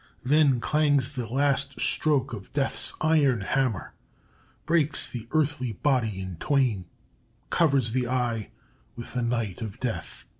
Then clangs the last stroke of Death's iron hammer, breaks the earthly body in twain, covers the eye with the night of death.